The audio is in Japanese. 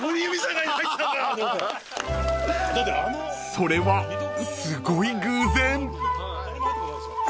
［それはすごい偶然］